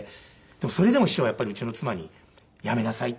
でもそれでも師匠はやっぱりうちの妻に「やめなさい」って。